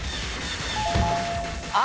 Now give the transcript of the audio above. あ！